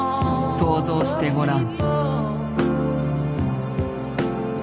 想像してごらん。